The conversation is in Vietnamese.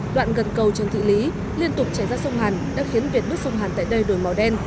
đoạn gần cầu trần thị lý liên tục chảy ra sông hàn đã khiến việt nước sông hàn tại đây đổi màu đen